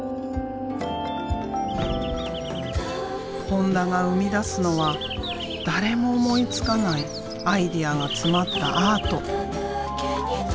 本田が生み出すのは誰も思いつかないアイデアが詰まったアート。